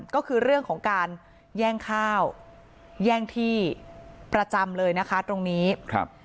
ก็คือเรื่องของการแย่งข้าวแย่งที่ประจำเลยนะคะตรงนี้ครับ